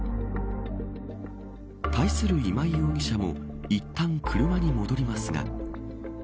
対する今井容疑者もいったん車に戻りますが。